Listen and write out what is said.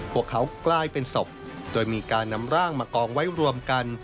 พวกเขากลายเป็นศพโดยมีการนำร่างมากองไว้รวมกัน